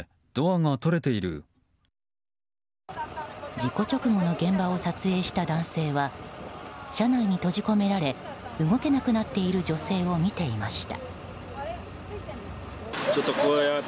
事故直後の現場を撮影した男性は車内に閉じ込められ動けなくなっている女性を見ていました。